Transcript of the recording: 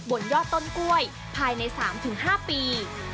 บนยอดต้นกล้วยภายใน๓๕ปี